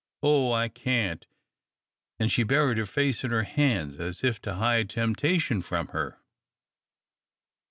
Oh, I can't!" and she buried her face in her hands as if to hide temptation from her.